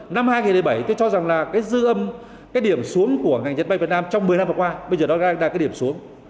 năm hai nghìn một mươi bảy tôi cho rằng là cái dư âm cái điểm xuống của ngành dệt may việt nam trong một mươi năm vừa qua bây giờ đó là cái điểm xuống